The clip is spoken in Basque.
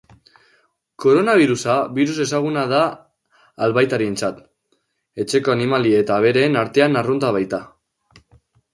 Koronabirusa birus ezaguna da albaitarientzat, etxeko animali eta abereen artean arrunta baita.